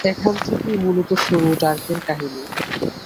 এখান থেকেই মূলত শুরু হয় ডার্কের কাহিনী।